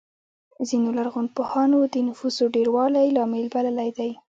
ځینو لرغونپوهانو د نفوسو ډېروالی لامل بللی دی